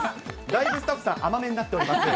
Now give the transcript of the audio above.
だいぶスタッフさん、甘めになっております。